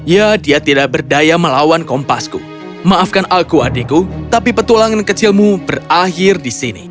ya dia tidak berdaya melawan kompasku maafkan aku adikku tapi petualangan kecilmu berakhir di sini